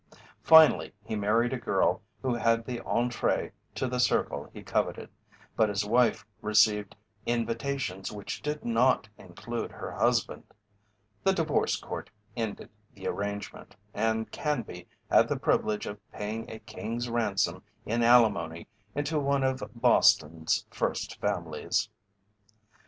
Finally he married a girl who had the entrée to the circle he coveted, but his wife received invitations which did not include her husband. The divorce court ended the arrangement, and Canby had the privilege of paying a king's ransom in alimony into one of Boston's first families.